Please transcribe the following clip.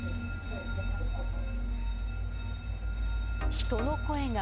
人の声が。